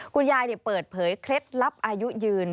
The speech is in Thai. คุณยายเปิดเผยเคล็ดลับอายุยืน